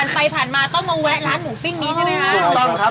ไปผ่านมาต้องมาแวะร้านหมูปิ้งดิใช่ไหมครับ